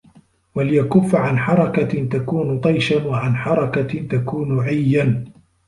وَلْيَكُفَّ عَنْ حَرَكَةٍ تَكُونُ طَيْشًا وَعَنْ حَرَكَةٍ تَكُونُ عِيًّا